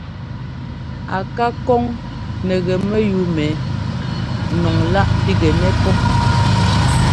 A ká kɔŋ nɛ gɛ mɛyúu mɛ nɔŋláꞌ pigɛnɛ pɔ́.